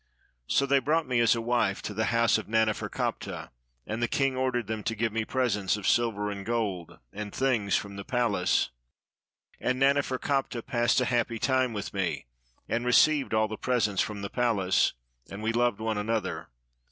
So they brought me as a wife to the house of Naneferkaptah; and the king ordered them to give me presents of silver and gold, and things from the palace. And Naneferkaptah passed a happy time with me, and received all the presents from the palace; and we loved one another.